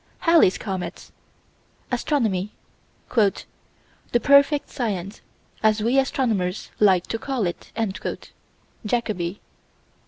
Halley's comet. Astronomy "the perfect science, as we astronomers like to call it." (Jacoby.)